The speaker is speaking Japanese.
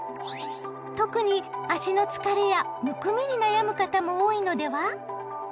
特に足の疲れやむくみに悩む方も多いのでは？